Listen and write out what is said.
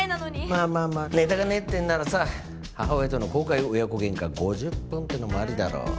まあまあまあネタがねえってんならさ母親との公開親子喧嘩５０分っていうのもありだろ。